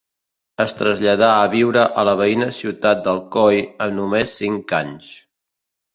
Es traslladà a viure a la veïna ciutat d'Alcoi amb només cinc anys.